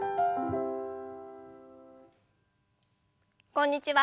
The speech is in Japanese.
こんにちは。